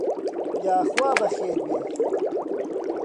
یاخوا بەخێر بێی.